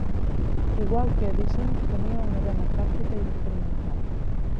Igual que Edison, tenia una vena pràctica i experimental.